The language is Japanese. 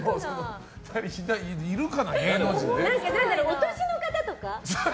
お年の方とか。